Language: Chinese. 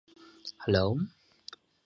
曾任左都御史。